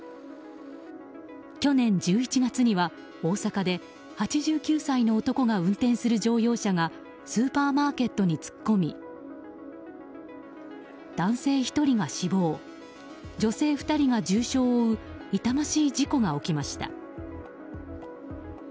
去年１１月には大阪で８９歳の男が運転する乗用車がスーパーマーケットに突っ込み男性１人が死亡女性２人が重傷を負う痛ましい事故が起きました。